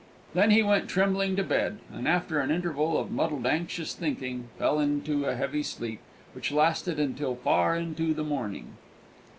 Then he went trembling to bed, and, after an interval of muddled, anxious thinking, fell into a heavy sleep, which lasted until far into the morning.